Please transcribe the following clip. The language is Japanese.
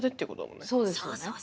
そうそうそうそう。